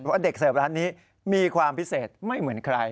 เพราะเด็กเสิร์ฟร้านนี้มีความพิเศษไม่เหมือนใคร